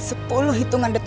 ini lebih mudah